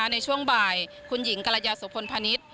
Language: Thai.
ในช่วงบ่ายคุณหญิงกรยาสุพลพนิษฐ์